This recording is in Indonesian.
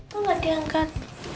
kok gak diangkat